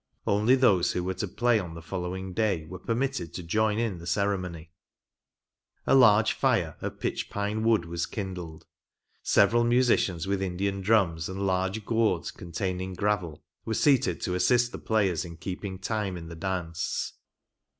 Only those who were to play on the following day were permitted to join in the ceremony. A large t THE ORIGINAL GAME. 17 fire of pitch pine wood was kindled ; several musicians with Indian drums, and large gourds containing gravel, were seated to assist the players in keeping time in the dance.